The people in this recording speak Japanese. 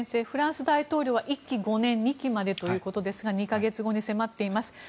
フランス大統領は１期５年２期までで２か月後に迫っています。